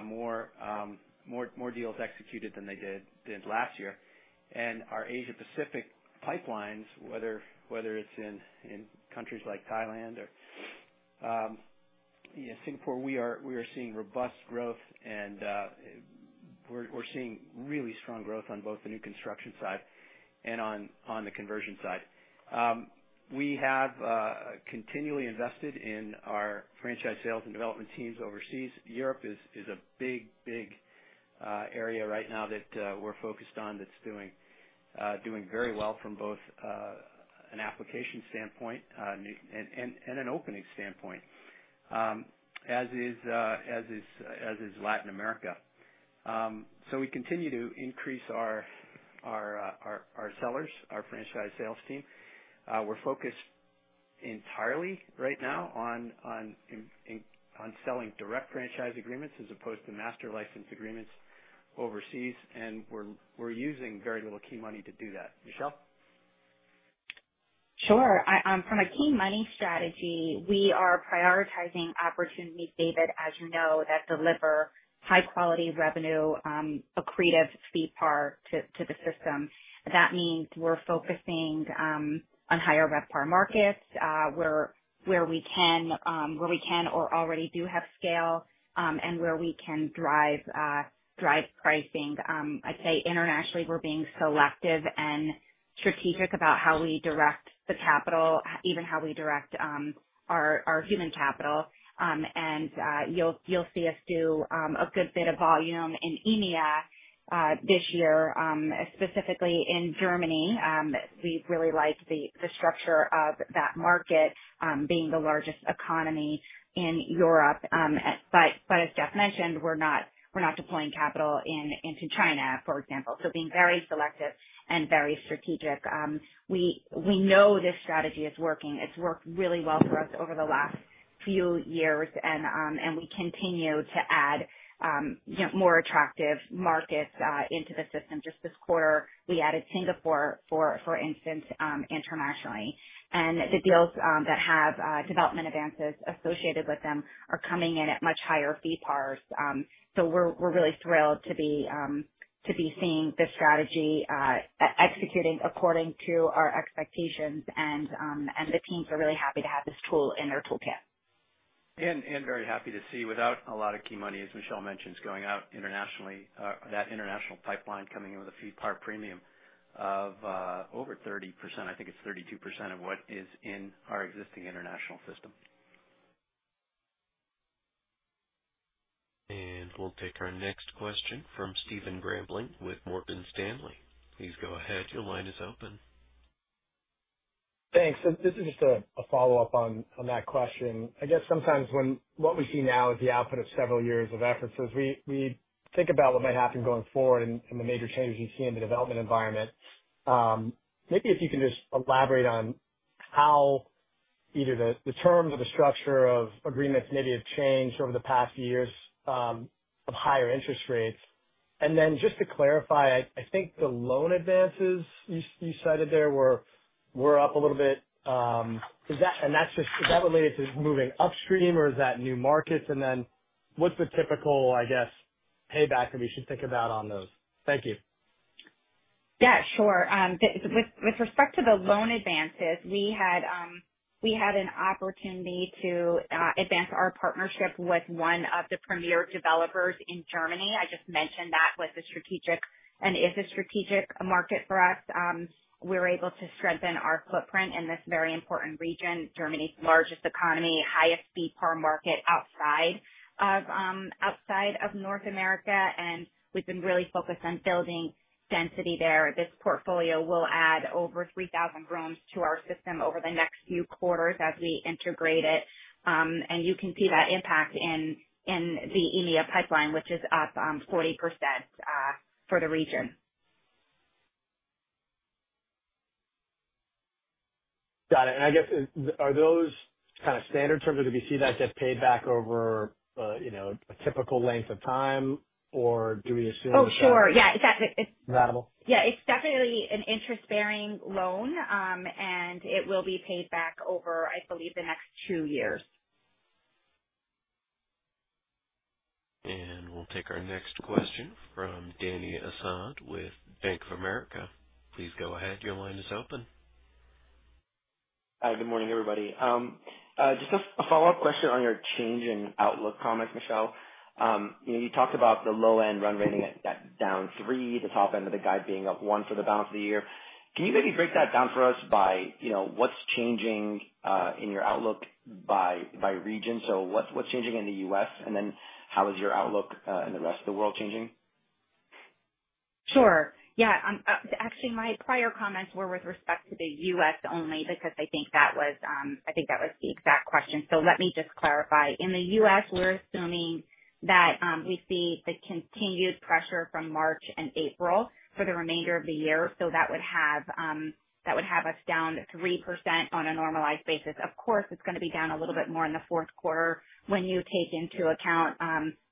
more deals executed than they did last year. Our Asia-Pacific pipelines, whether it is in countries like Thailand or Singapore, we are seeing robust growth. We are seeing really strong growth on both the new construction side and on the conversion side. We have continually invested in our franchise sales and development teams overseas. Europe is a big, big area right now that we are focused on that is doing very well from both an application standpoint and an opening standpoint, as is Latin America. We continue to increase our sellers, our franchise sales team. We are focused entirely right now on selling direct franchise agreements as opposed to master license agreements overseas. We are using very little key money to do that. Michelle? Sure. From a key money strategy, we are prioritizing opportunities, David, as you know, that deliver high-quality revenue accretive fee PAR to the system. That means we're focusing on higher RevPAR markets where we can or already do have scale and where we can drive pricing. I'd say internationally, we're being selective and strategic about how we direct the capital, even how we direct our human capital. You'll see us do a good bit of volume in India this year, specifically in Germany. We really like the structure of that market being the largest economy in Europe. As Geoff mentioned, we're not deploying capital into China, for example. Being very selective and very strategic, we know this strategy is working. It's worked really well for us over the last few years. We continue to add more attractive markets into the system. Just this quarter, we added Singapore, for instance, internationally. The deals that have development advances associated with them are coming in at much higher fee pars. We are really thrilled to be seeing the strategy executing according to our expectations. The teams are really happy to have this tool in their toolkit. Very happy to see, without a lot of key money, as Michele mentioned, going out internationally, that international pipeline coming in with a fee par premium of over 30%. I think it is 32% of what is in our existing international system. We will take our next question from Stephen Grambling with Morgan Stanley. Please go ahead. Your line is open. Thanks. This is just a follow-up on that question. I guess sometimes what we see now is the output of several years of efforts. As we think about what might happen going forward and the major changes you see in the development environment, maybe if you can just elaborate on how either the terms or the structure of agreements maybe have changed over the past few years of higher interest rates. Just to clarify, I think the loan advances you cited there were up a little bit. Is that related to moving upstream, or is that new markets? What is the typical, I guess, payback that we should think about on those? Thank you. Yeah. Sure. With respect to the loan advances, we had an opportunity to advance our partnership with one of the premier developers in Germany. I just mentioned that was a strategic and is a strategic market for us. We're able to strengthen our footprint in this very important region, Germany's largest economy, highest fee PAR market outside of North America. We've been really focused on building density there. This portfolio will add over 3,000 rooms to our system over the next few quarters as we integrate it. You can see that impact in the India pipeline, which is up 40% for the region. Got it. I guess, are those kind of standard terms? Do we see that get paid back over a typical length of time, or do we assume that? Oh, sure. Yeah. Is that relatable? Yeah. It's definitely an interest-bearing loan. It will be paid back over, I believe, the next two years. We'll take our next question from Dany Asad with Bank of America. Please go ahead. Your line is open. Hi. Good morning, everybody. Just a follow-up question on your change in Outlook comments, Michele. You talked about the low-end run rating at down three, the top end of the guide being up one for the balance of the year. Can you maybe break that down for us by what's changing in your Outlook by region? What's changing in the U.S.? How is your Outlook in the rest of the world changing? Sure. Yeah. Actually, my prior comments were with respect to the U.S. only because I think that was the exact question. Let me just clarify. In the U.S., we're assuming that we see the continued pressure from March and April for the remainder of the year. That would have us down 3% on a normalized basis. Of course, it's going to be down a little bit more in the fourth quarter when you take into account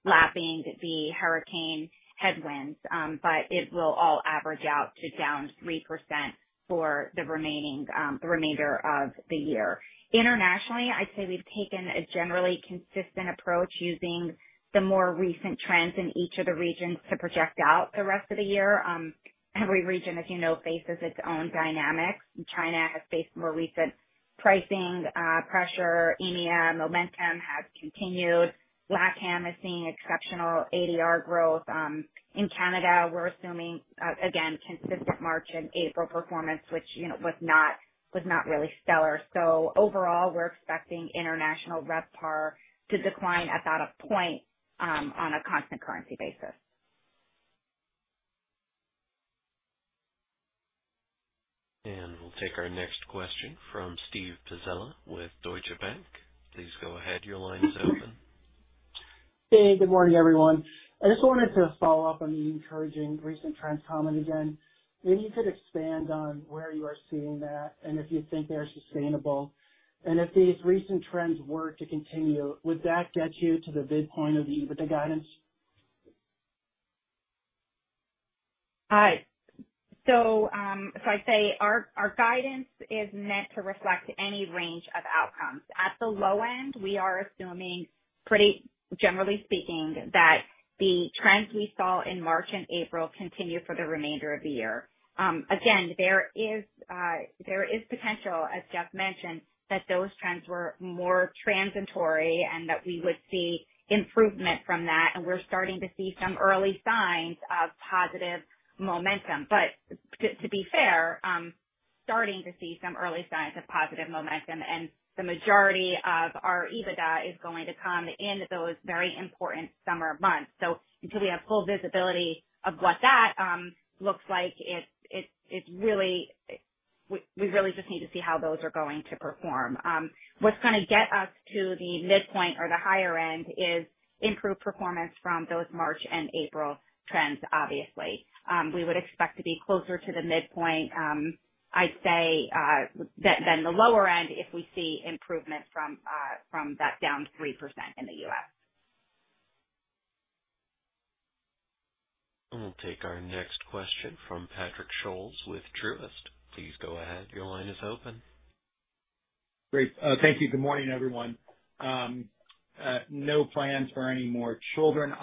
lapping the hurricane headwinds. It will all average out to down 3% for the remaining remainder of the year. Internationally, I'd say we've taken a generally consistent approach using the more recent trends in each of the regions to project out the rest of the year. Every region, as you know, faces its own dynamics. China has faced more recent pricing pressure. India momentum has continued. LATAM is seeing exceptional ADR growth. In Canada, we're assuming, again, consistent March and April performance, which was not really stellar. Overall, we're expecting international RevPAR to decline at about a point on a constant currency basis. We'll take our next question from Steve Pizzella with Deutsche Bank. Please go ahead. Your line is open. Hey. Good morning, everyone. I just wanted to follow up on the encouraging recent trends comment again. Maybe you could expand on where you are seeing that and if you think they are sustainable. If these recent trends were to continue, would that get you to the midpoint of the EBITDA guidance? I'd say our guidance is meant to reflect any range of outcomes. At the low end, we are assuming, generally speaking, that the trends we saw in March and April continue for the remainder of the year. There is potential, as Geoff mentioned, that those trends were more transitory and that we would see improvement from that. We're starting to see some early signs of positive momentum. To be fair, starting to see some early signs of positive momentum. The majority of our EBITDA is going to come in those very important summer months. Until we have full visibility of what that looks like, we really just need to see how those are going to perform. What's going to get us to the midpoint or the higher end is improved performance from those March and April trends, obviously. We would expect to be closer to the midpoint, I'd say, than the lower end if we see improvement from that down 3% in the U.S.. We will take our next question from Patrick Scholes with Truist. Please go ahead. Your line is open. Great. Thank you. Good morning, everyone. No plans for any more children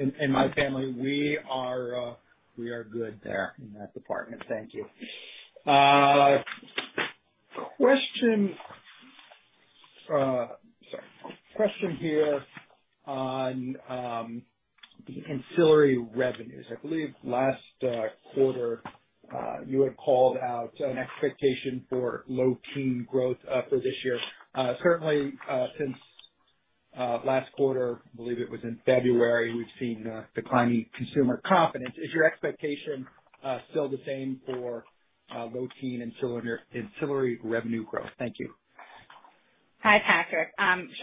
in my family. We are good there in that department. Thank you. Sorry. Question here on the ancillary revenues. I believe last quarter, you had called out an expectation for low-key growth for this year. Certainly, since last quarter, I believe it was in February, we've seen declining consumer confidence. Is your expectation still the same for low-key and ancillary revenue growth? Thank you. Hi, Patrick.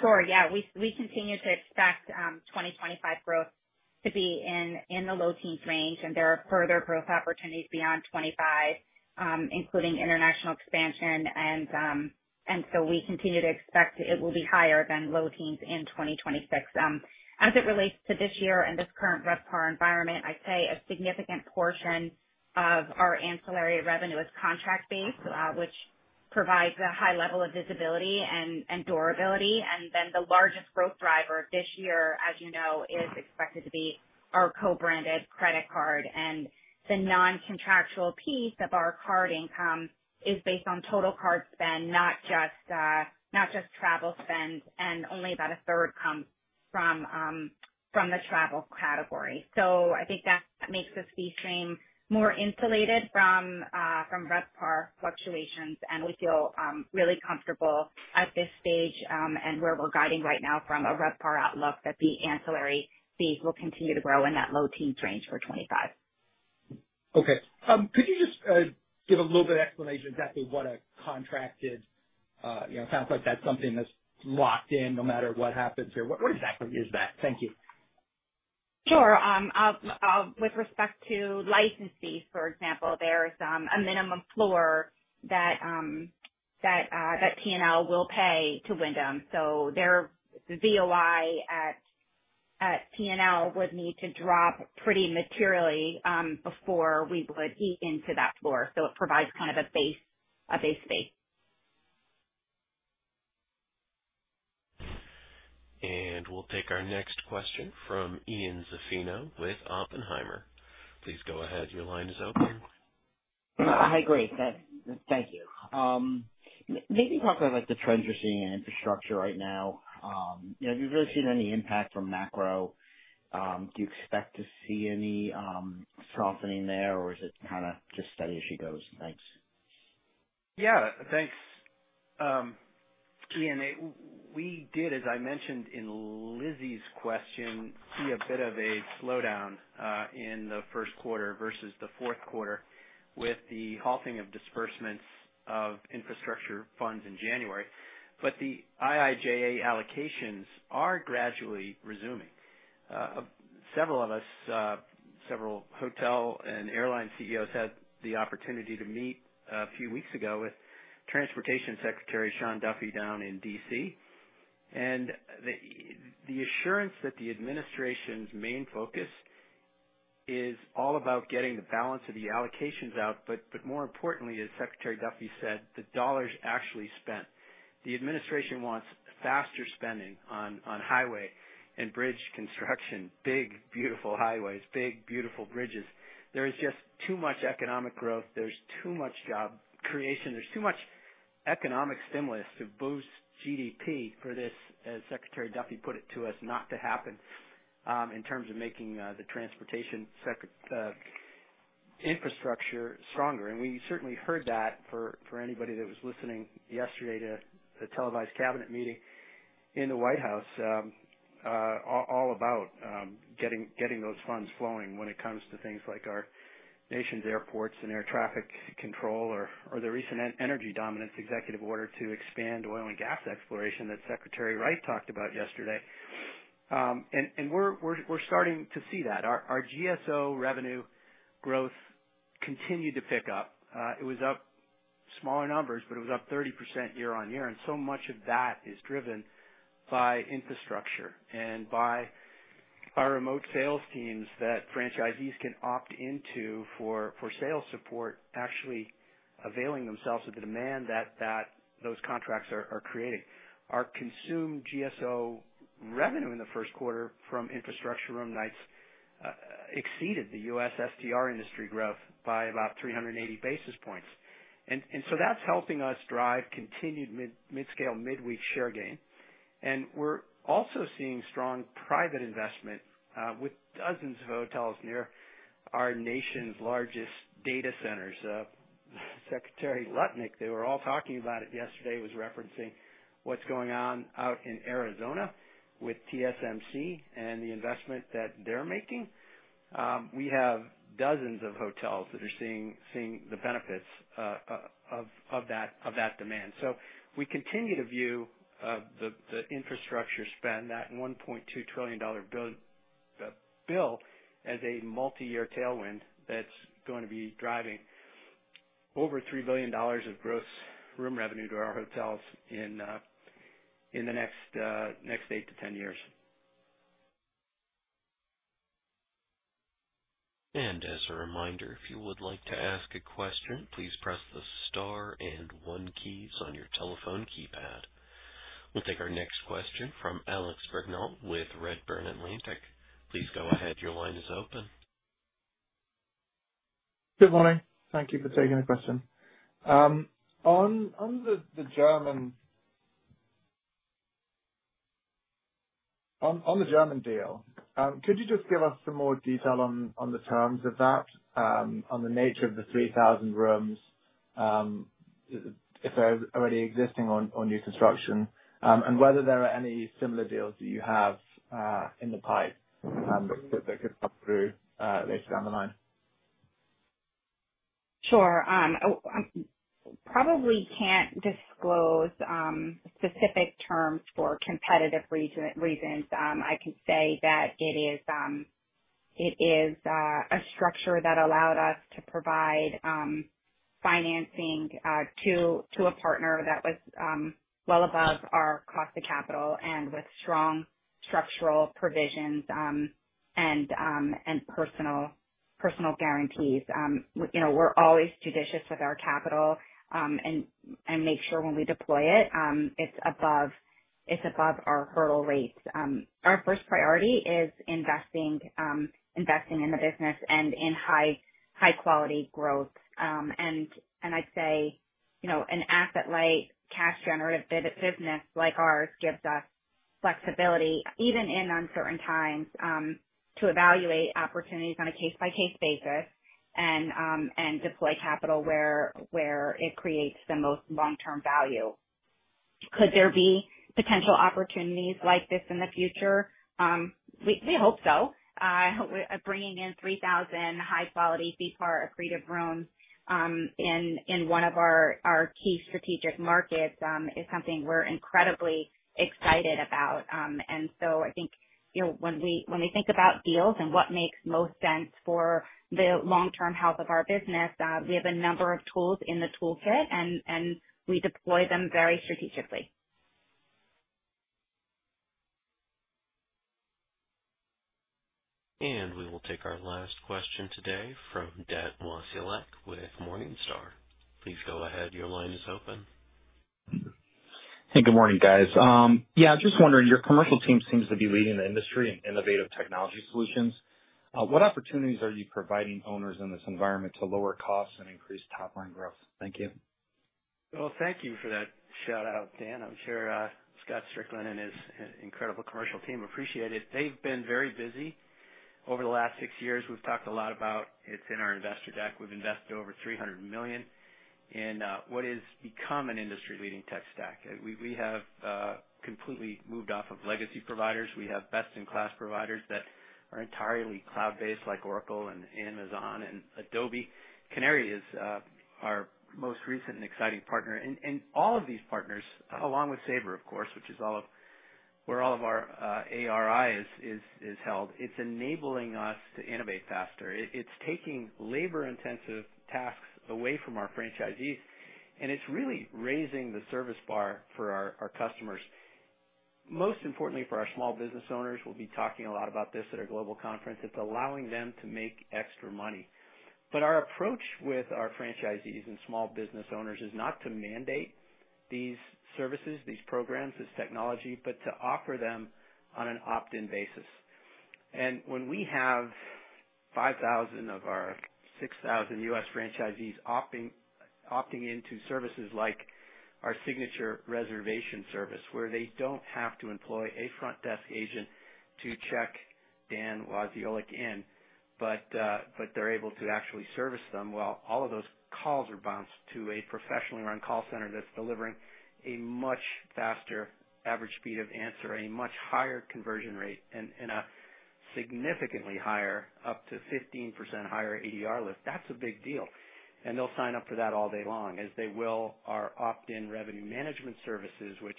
Sure. Yeah. We continue to expect 2025 growth to be in the low-key range. There are further growth opportunities beyond 2025, including international expansion. We continue to expect it will be higher than low-key in 2026. As it relates to this year and this current RevPAR environment, I'd say a significant portion of our ancillary revenue is contract-based, which provides a high level of visibility and durability. The largest growth driver this year, as you know, is expected to be our co-branded credit card. The non-contractual piece of our card income is based on total card spend, not just travel spend. Only about a third comes from the travel category. I think that makes the fee stream more insulated from RevPAR fluctuations. We feel really comfortable at this stage and where we're guiding right now from a RevPAR outlook that the ancillary fees will continue to grow in that low-key range for 2025. Okay. Could you just give a little bit of explanation exactly what a contracted, it sounds like that's something that's locked in no matter what happens here. What exactly is that? Thank you. Sure. With respect to license fees, for example, there's a minimum floor that P&L will pay to Wyndham. The VOI at P&L would need to drop pretty materially before we would eat into that floor. It provides kind of a base fee. We'll take our next question from Ian Zaffino with Oppenheimer. Please go ahead. Your line is open. I agree. Thank you. Maybe talk about the trends you're seeing in infrastructure right now. Have you really seen any impact from macro? Do you expect to see any softening there, or is it kind of just steady as she goes? Thanks. Yeah. Thanks. Ian, we did, as I mentioned in Lizzie's question, see a bit of a slowdown in the first quarter versus the fourth quarter with the halting of disbursements of infrastructure funds in January. The IIJA allocations are gradually resuming. Several of us, several hotel and airline CEOs, had the opportunity to meet a few weeks ago with Transportation Secretary Sean Duffy down in D.C. The assurance is that the administration's main focus is all about getting the balance of the allocations out, but more importantly, as Secretary Duffy said, the dollars actually spent. The administration wants faster spending on highway and bridge construction, big, beautiful highways, big, beautiful bridges. There is just too much economic growth. There's too much job creation. There's too much economic stimulus to boost GDP for this, as Secretary Duffy put it to us, not to happen in terms of making the transportation infrastructure stronger. We certainly heard that for anybody that was listening yesterday to the televised cabinet meeting in the White House, all about getting those funds flowing when it comes to things like our nation's airports and air traffic control or the recent energy dominance executive order to expand oil and gas exploration that Secretary Wright talked about yesterday. We're starting to see that. Our GSO revenue growth continued to pick up. It was up smaller numbers, but it was up 30% year on year. So much of that is driven by infrastructure and by our remote sales teams that franchisees can opt into for sales support, actually availing themselves of the demand that those contracts are creating. Our consumed GSO revenue in the first quarter from infrastructure room nights exceeded the U.S. STR industry growth by about 380 basis points. That is helping us drive continued mid-scale, mid-week share gain. We are also seeing strong private investment with dozens of hotels near our nation's largest data centers. Secretary Lutnick, they were all talking about it yesterday, was referencing what is going on out in Arizona with TSMC and the investment that they are making. We have dozens of hotels that are seeing the benefits of that demand. We continue to view the infrastructure spend, that $1.2 trillion bill, as a multi-year tailwind that's going to be driving over $3 billion of gross room revenue to our hotels in the next 8-10 years. As a reminder, if you would like to ask a question, please press the star and one keys on your telephone keypad. We'll take our next question from Alex Brignall with Redburn Atlantic. Please go ahead. Your line is open. Good morning. Thank you for taking the question. On the German deal, could you just give us some more detail on the terms of that, on the nature of the 3,000 rooms if they're already existing or new construction, and whether there are any similar deals that you have in the pipe that could come through later down the line? Sure. I probably can't disclose specific terms for competitive reasons. I can say that it is a structure that allowed us to provide financing to a partner that was well above our cost of capital and with strong structural provisions and personal guarantees. We're always judicious with our capital and make sure when we deploy it, it's above our hurdle rates. Our first priority is investing in the business and in high-quality growth. I'd say an asset-light cash-generative business like ours gives us flexibility, even in uncertain times, to evaluate opportunities on a case-by-case basis and deploy capital where it creates the most long-term value. Could there be potential opportunities like this in the future? We hope so. Bringing in 3,000 high-quality fee PAR accretive rooms in one of our key strategic markets is something we're incredibly excited about. I think when we think about deals and what makes most sense for the long-term health of our business, we have a number of tools in the toolkit, and we deploy them very strategically. We will take our last question today from Dan Wasiolek with Morningstar. Please go ahead. Your line is open. Hey. Good morning, guys. Yeah. Just wondering, your commercial team seems to be leading the industry in innovative technology solutions. What opportunities are you providing owners in this environment to lower costs and increase top-line growth? Thank you. Thank you for that shout-out, Dan. I'm sure Scott Strickland and his incredible commercial team appreciate it. They've been very busy over the last six years. We've talked a lot about it, it's in our investor deck. We've invested over $300 million in what has become an industry-leading tech stack. We have completely moved off of legacy providers. We have best-in-class providers that are entirely cloud-based like Oracle and Amazon and Adobe. Canary is our most recent and exciting partner. All of these partners, along with Sabre, of course, which is where all of our ARI is held, are enabling us to innovate faster. It is taking labor-intensive tasks away from our franchisees, and it is really raising the service bar for our customers. Most importantly, for our small business owners, we will be talking a lot about this at our global conference. It is allowing them to make extra money. Our approach with our franchisees and small business owners is not to mandate these services, these programs, this technology, but to offer them on an opt-in basis. When we have 5,000 of our 6,000 U.S. franchisees opting into services like our signature reservation service, where they do not have to employ a front desk agent to check Dan Wasiolek in, but they are able to actually service them, all of those calls are bounced to a professionally run call center that is delivering a much faster average speed of answer, a much higher conversion rate, and a significantly higher, up to 15% higher, ADR lift. That is a big deal. They will sign up for that all day long, as they will our opt-in revenue management services, which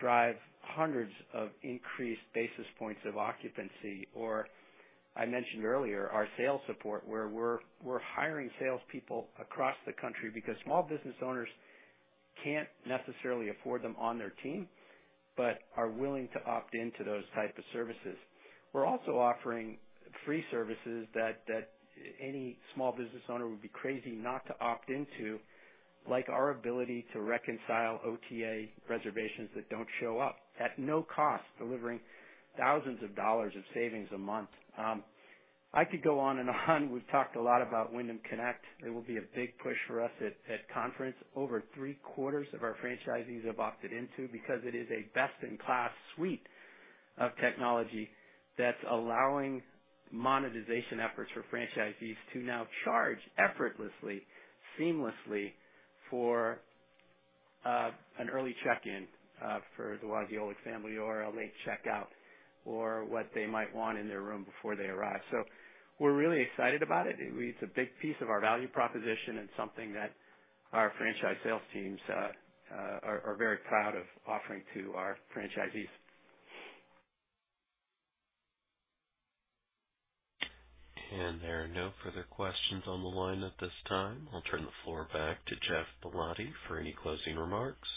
drive hundreds of increased basis points of occupancy, or, as I mentioned earlier, our sales support, where we are hiring salespeople across the country because small business owners cannot necessarily afford them on their team, but are willing to opt into those types of services. We're also offering free services that any small business owner would be crazy not to opt into, like our ability to reconcile OTA reservations that don't show up at no cost, delivering thousands of dollars of savings a month. I could go on and on. We've talked a lot about Wyndham Connect. It will be a big push for us at conference. Over three-quarters of our franchisees have opted into because it is a best-in-class suite of technology that's allowing monetization efforts for franchisees to now charge effortlessly, seamlessly for an early check-in for the Moisellec family or a late checkout or what they might want in their room before they arrive. We are really excited about it. It's a big piece of our value proposition and something that our franchise sales teams are very proud of offering to our franchisees. There are no further questions on the line at this time. I'll turn the floor back to Geoff Ballotti for any closing remarks.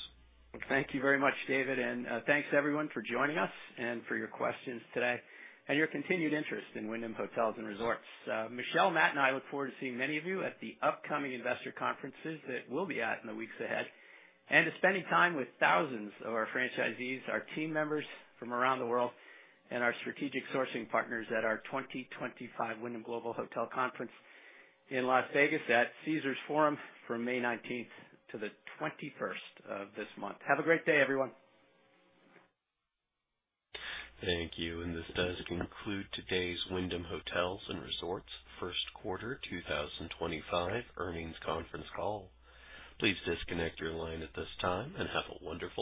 Thank you very much, David. Thank you to everyone for joining us and for your questions today and your continued interest in Wyndham Hotels & Resorts. Michele, Matt, and I look forward to seeing many of you at the upcoming investor conferences that we'll be at in the weeks ahead and to spending time with thousands of our franchisees, our team members from around the world, and our strategic sourcing partners at our 2025 Wyndham Global Hotel Conference in Las Vegas at Caesars Forum from May 19th to the 21st of this month. Have a great day, everyone. Thank you. This does conclude today's Wyndham Hotels & Resorts First Quarter 2025 earnings conference call. Please disconnect your line at this time and have a wonderful day.